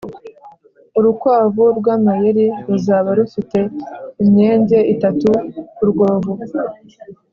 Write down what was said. urukwavu rwamayeri ruzaba rufite imyenge itatu kurwobo